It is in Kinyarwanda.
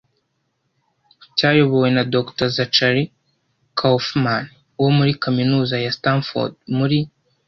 cyayobowe na Dr Zachary Kaufman wo muri Kaminuza ya Stanford muri